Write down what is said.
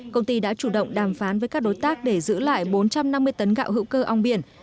công ty đã chủ động đàm phán với các đối tác để giữ lại bốn trăm năm mươi tấn gạo hữu cơ ong biển